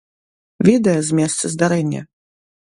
Відэа з месца здарэння.